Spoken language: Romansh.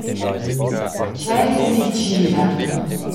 Tgei sitgira!